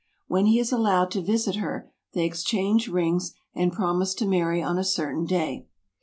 When he is allowed to visit her, they exchange rings, and promise to marry on a cer¬ tain day.